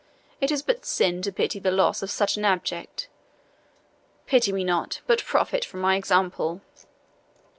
it is but sin to pity the loss of such an abject; pity me not, but profit by my example.